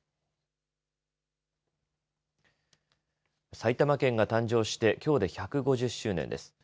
埼玉県が誕生してきょうで１５０周年です。